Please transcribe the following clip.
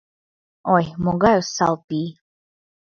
— Ой, могай осал пий.